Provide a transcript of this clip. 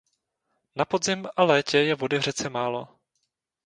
Na podzim a létě je vody v řece málo.